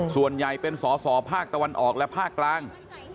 ส่วนใหญ่เป็นสอสอภาคตะวันออกและภาคกลาง